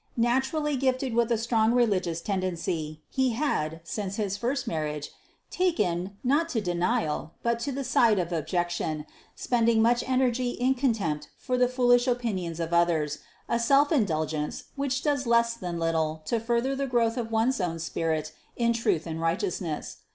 Naturally gifted with a strong religious tendency, he had, since his first marriage, taken, not to denial, but to the side of objection, spending much energy in contempt for the foolish opinions of others, a self indulgence which does less than little to further the growth of one's own spirit in truth and righteousness.